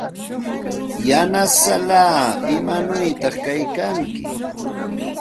Yanasallaa, ¿imanawta kaykanki?